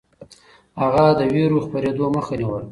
هغه د وېرو خپرېدو مخه نيوله.